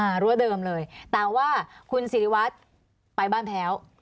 รั้วเดิมเลยแต่ว่าคุณสิริวัตรไปบ้านแพ้ว